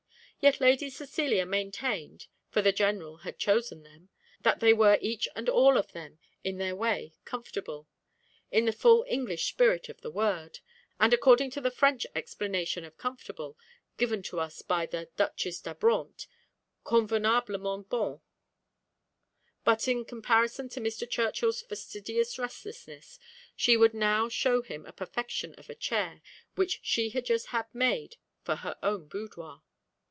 Yet Lady Cecilia maintained (for the general had chosen them) that they were each and all of them in their way comfortable, in the full English spirit of the word, and according to the French explanation of comfortable, given to us by the Duchess d'Abrantes, convenablement bon; but in compassion to Mr. Churchill's fastidious restlessness, she would now show him a perfection of a chair which she had just had made for her own boudoir.